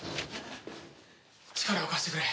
力を貸してくれ！